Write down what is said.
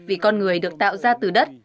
vì con người được tạo ra từ đất